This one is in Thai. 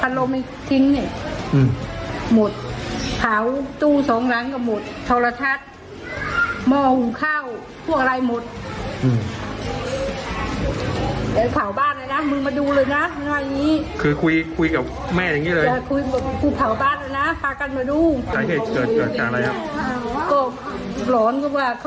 อันนี้ได้จังความว่าดิงค่ะ